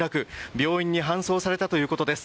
病院に搬送されたということです。